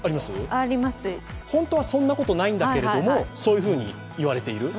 本当はそんなことないんだけれどもそういうふうに言われている。